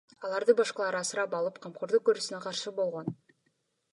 Аларды башкалар асырап алып, камкордук көрүүсүнө каршы болгон.